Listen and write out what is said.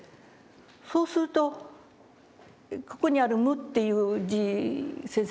そうするとここにある「無」っていう字先生